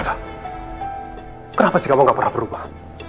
raza kenapa kamu tidak pernah berubah